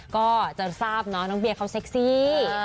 ก็จะทราบเนาะน้องเบียร์เขาเซ็กซี่